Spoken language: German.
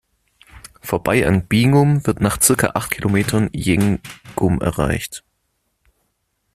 Vorbei an Bingum wird nach circa acht Kilometern Jemgum erreicht.